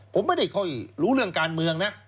ผมไม่ได้ค่อยรู้เรื่องการเมืองนะ